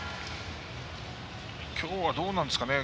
きょうはどうなんですかね。